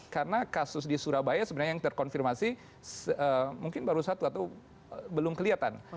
karena kasus di surabaya sebenarnya yang terkonfirmasi mungkin baru satu atau belum kelihatan